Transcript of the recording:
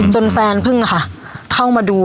จนแฟนพึ่งเข้ามาดู